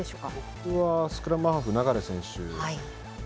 僕はスクラムハーフの流選手。